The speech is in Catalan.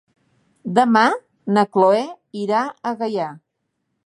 Demà na Chloé irà a Gaià.